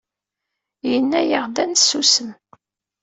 Yenna-aɣ-d ad nsusem.